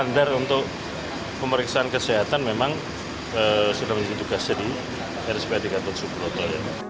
sander untuk pemeriksaan kesehatan memang sudah menjadi tugasnya di rspad gatot subroto